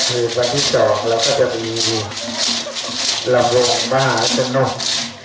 จะทำการโทษในวันที่สามพฤษฐิสตาแล้วกันถือวันที่สองเราก็จะมี